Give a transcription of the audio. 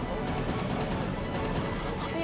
buat ada lagi kerja